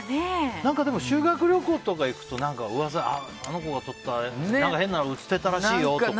でも、修学旅行とか行くとあの子が撮ったやつに変なの写ってたらしいよとか。